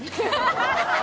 ハハハハ！